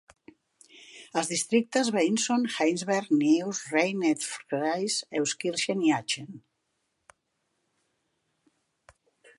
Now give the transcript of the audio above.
Els districtes veïns són Heinsberg, Neuss, Rhein-Erft-Kreis, Euskirchen i Aachen.